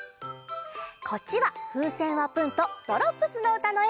こっちは「ふうせんはプン」と「ドロップスのうた」のえ！